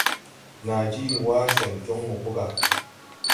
Naa jiili wá sen jɔŋ mo po gà.